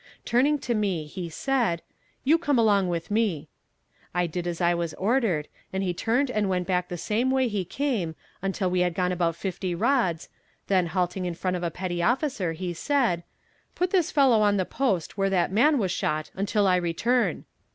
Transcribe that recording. Turning to me he said, "You come along with me." I did as I was ordered, and he turned and went back the same way he came until we had gone about fifty rods, then halting in front of a petty officer he said, "Put this fellow on the post where that man was shot until I return."